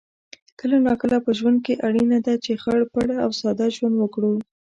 کله ناکله په ژوند کې اړینه ده چې خړ پړ او ساده ژوند وکړو